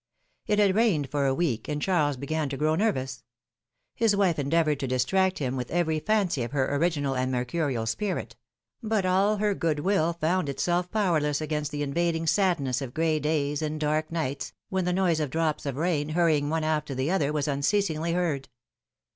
It had rained for a week, and Charles began to grow nervous. His wife endeavored to distract him with every fancy of her original and mercurial spirit ; but all her good will found itself powerless against the invading sadness of gray days and dark nights, when the noise of drops of rain hurrying one after the other was unceasingly heard.